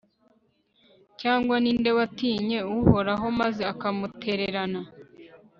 cyangwa ni nde watinye uhoraho maze akamutererana